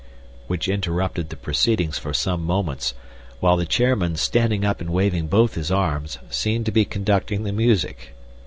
which interrupted the proceedings for some moments, while the chairman, standing up and waving both his arms, seemed to be conducting the music.